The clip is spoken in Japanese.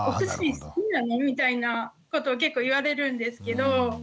みたいなことを結構言われるんですけど。